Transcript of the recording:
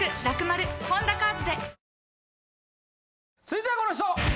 続いてはこの人！